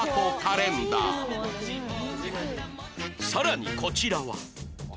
さらにこちらは